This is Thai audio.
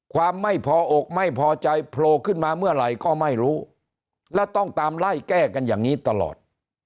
ความไม่พออกไม่พอใจโผล่ขึ้นมาเมื่อไหร่ก็ไม่รู้และต้องตามไล่แก้กันอย่างนี้ตลอด